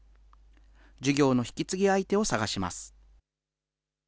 事業の引き継ぎ相手を探します。